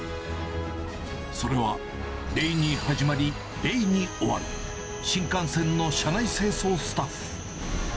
それは礼に始まり、礼に終わる、新幹線の車内清掃スタッフ。